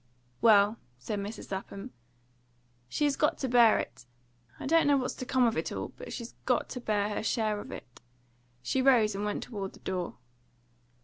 "Well," said Mrs. Lapham, "she has got to bear it. I don't know what's to come of it all. But she's got to bear her share of it." She rose and went toward the door.